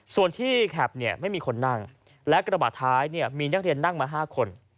ส่วนที่แคปไม่มีคนนั่งและกระบาดท้ายมีนักเรียนนั่งมา๕คน